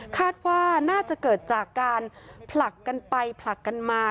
คาดว่าน่าจะเกิดจากการผลักกันไปผลักกันมา